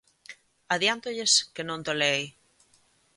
Adiántolles que non toleei.